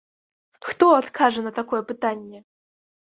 Хто адкажа на такое пытанне?!